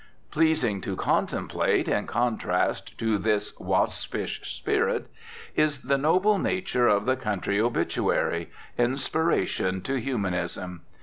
Pleasing to contemplate in contrast to this waspish spirit is the noble nature of the country obituary, inspiration to humanism.